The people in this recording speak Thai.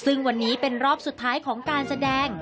ซึ่งวันนี้เป็นรอบสุดท้ายของการแสดง